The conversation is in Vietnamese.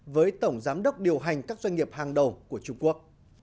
với tổng giám đốc điều hành các doanh nghiệp hàng đầu của trung quốc